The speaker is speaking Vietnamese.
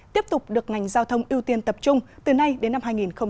tiếp tục được ngành giao thông ưu tiên tập trung từ nay đến năm hai nghìn hai mươi